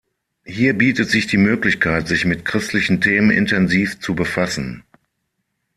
Hier bietet sich die Möglichkeit sich mit christlichen Themen intensiv zu befassen.